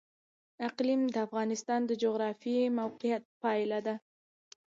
اقلیم د افغانستان د جغرافیایي موقیعت پایله ده.